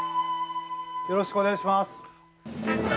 ◆よろしくお願いします。